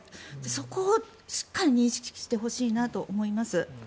そこをしっかり認識してもらいたいなと思います。